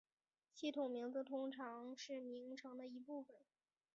系统的名字通常是名称的一部分。